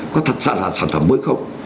có thật ra là sản phẩm mới không